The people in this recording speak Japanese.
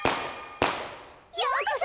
ようこそ！